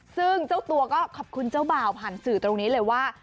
ซึ่งเจ้าตัวก็ขอบคุณเจ้าบ่าวผ่านสื่อตรงนี้เลยว่า